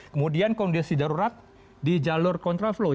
kemudian kondisi darurat di jalur kontraflow